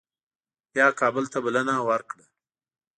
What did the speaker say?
بیا کابل ته بلنه ورکړه.